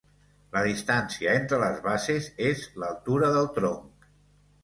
La distància entre les bases és l'altura del tronc.